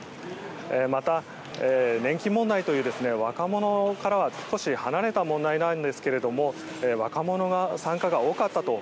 また、年金問題という若者からは少し離れた問題ですが若者の参加が多かったと。